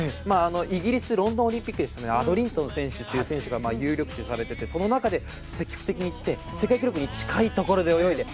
イギリスロンドンオリンピックでアドリントン選手という選手が有力視されていてその中で積極的にいって世界記録に近いところで泳いで。